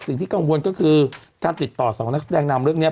สิ่งที่กังวลก็คือการติดต่อสองนักแสดงนำเรื่องนี้